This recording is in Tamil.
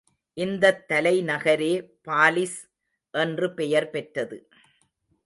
இந்தத் தலைநகரே பாலிஸ் என்று பெயர் பெற்றது.